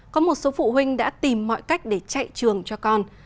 có một số phụ huynh đã tìm mọi cách để chạy trường cho con